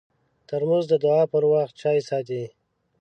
ترموز د دعا پر وخت چای ساتي.